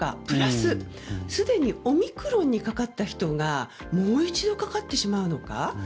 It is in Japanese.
プラス、すでにオミクロンにかかった人がもう一度かかってしまうのか。